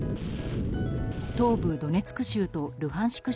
東部ドネツク州とルハンシク